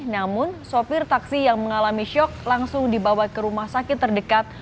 namun sopir taksi yang mengalami syok langsung dibawa ke rumah sakit terdekat